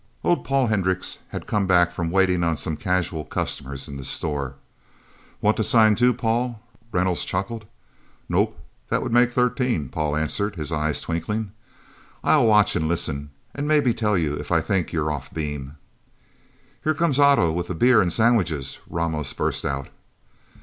Old Paul Hendricks had come back from waiting on some casual customers in the store. "Want to sign, too, Paul?" Reynolds chuckled. "Nope that would make thirteen," Paul answered, his eyes twinkling. "I'll watch and listen and maybe tell you if I think you're off beam." "Here comes Otto with the beer and sandwiches," Ramos burst out.